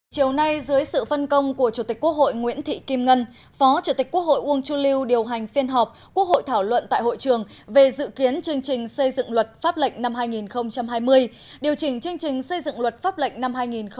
chiều nay dưới sự phân công của chủ tịch quốc hội nguyễn thị kim ngân phó chủ tịch quốc hội uông chu lưu điều hành phiên họp quốc hội thảo luận tại hội trường về dự kiến chương trình xây dựng luật pháp lệnh năm hai nghìn hai mươi điều chỉnh chương trình xây dựng luật pháp lệnh năm hai nghìn hai mươi